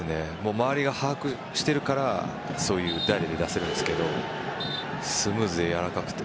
周りが把握しているからそういうダイレクトで出せるんですけどスムーズでやわらかくて。